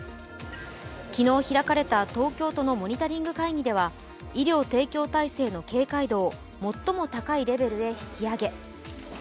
昨日開かれた東京都のモニタリング会議では医療提供体制の警戒度を最も高いレベルへ引き上げ。